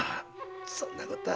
そんなことは。